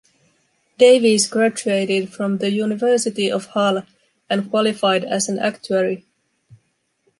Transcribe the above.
Davies graduated from the University of Hull and qualified as an actuary.